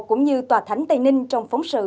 cũng như tòa thánh tây ninh trong phóng sự